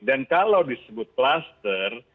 dan kalau disebut cluster